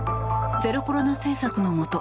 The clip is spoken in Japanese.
ゼロコロナ政策のもと